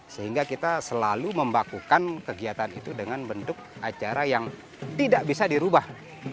sehingga kita selalu membakukan kegiatan itu dengan bentuk acara yang tidak bisa dirubah